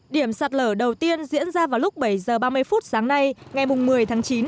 điểm sạt lở đầu tiên diễn ra vào lúc bảy h ba mươi phút sáng nay ngày một mươi tháng chín